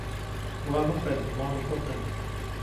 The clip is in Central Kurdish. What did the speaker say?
وا مەفەرموو ماڵی خۆتانە